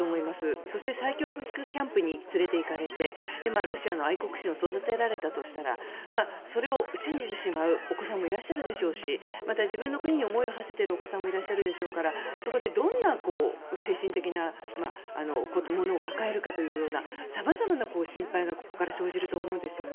そして再教育キャンプに連れていかれてロシアの愛国心を育てられたとしたらそれを信じてしまうお子さんもいらっしゃるでしょうし自分の国に思いをはせているお子さんもいらっしゃるでしょうからそこでどんな精神的なものを抱えるかというような様々な心配がここから生じると思うんですよね。